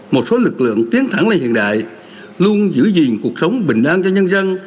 một số lực lượng tiến thẳng lên hiện đại luôn giữ gìn cuộc sống bình an cho nhân dân